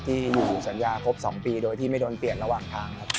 ที่อยู่สัญญาครบ๒ปีโดยที่ไม่โดนเปลี่ยนระหว่างทางครับ